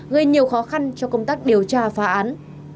gây nhiều khó khăn cho công tác điều tra phá án